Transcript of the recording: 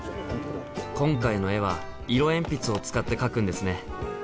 今回の絵は色鉛筆を使って描くんですね。